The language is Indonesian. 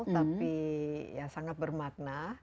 tapi ya sangat bermakna